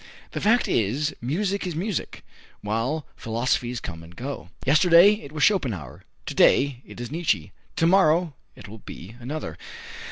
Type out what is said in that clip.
The fact is, music is music, while philosophies come and go. Yesterday it was Schopenhauer; to day it is Nietzsche; to morrow it will be another.